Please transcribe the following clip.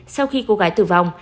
sau khi cô gái tử vong